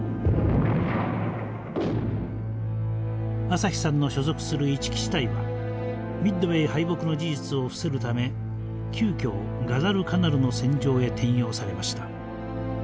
旭さんの所属する一木支隊はミッドウェー敗北の事実を伏せるため急遽ガダルカナルの戦場へ転用されました。